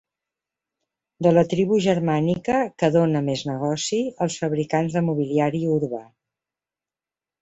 De la tribu germànica que dóna més negoci als fabricants de mobiliari urbà.